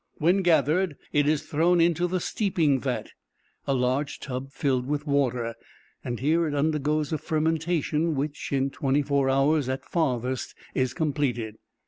When gathered, it is thrown into the steeping vat a large tub filled with water here it undergoes a fermentation, which, in twenty four hours at farthest, is completed.